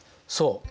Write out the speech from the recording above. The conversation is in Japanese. そう。